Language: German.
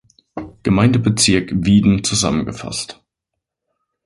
Gemeindebezirk, Wieden, zusammengefasst.